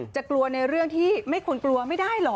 กลัวในเรื่องที่ไม่ควรกลัวไม่ได้เหรอ